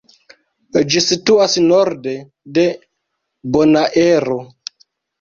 Ĝi situas norde de Bonaero.